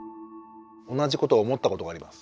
同じことを思ったことがあります。